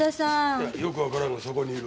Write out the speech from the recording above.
いやよくわからんがそこにいる。